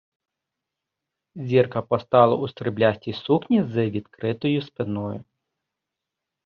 Зірка постала у сріблястій сукні з відкритою спиною.